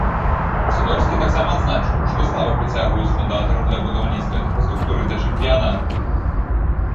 Сідорскі таксама адзначыў, што слаба прыцягваюць фундатараў для будаўніцтва інфраструктуры да чэмпіянату.